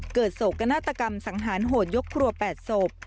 เกิดโศกนาตกรรมสังหารโหดยกครัวแปดโศพ